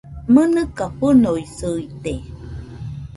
¡Mɨnɨka fɨnoisɨite!